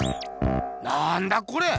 なんだこれ！